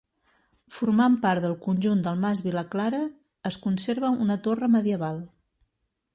Formant part del conjunt del mas Vilaclara, es conserva una torre medieval.